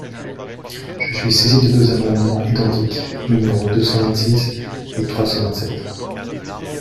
Je suis saisie de deux amendements identiques, numéros deux cent vingt-six et trois cent vingt-sept.